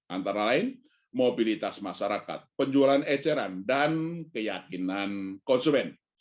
antara lain mobilitas masyarakat penjualan eceran dan keyakinan konsumen